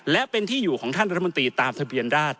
และเป็นที่อยู่ของท่านรัฐมนตรีตามทะเบียนราช